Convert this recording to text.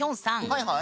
はいはい。